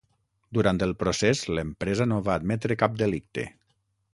Durant el procés, l'empresa no va admetre cap delicte.